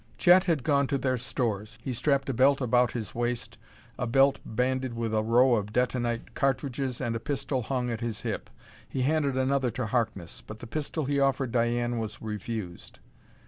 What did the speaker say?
Chet had gone to their stores. He strapped a belt about his waist, a belt banded with a row of detonite cartridges, and a pistol hung at his hip. He handed another to Harkness. But the pistol he offered Diane was refused.